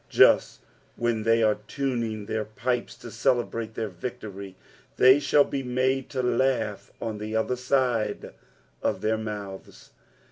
Just when thej are tuning their pipes to celebrate their victory, they shall be made to laugh on the other side of their mouths.